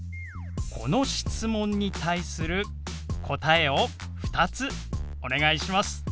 この質問に対する答えを２つお願いします。